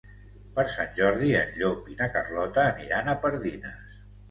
Per Sant Jordi en Llop i na Carlota aniran a Pardines.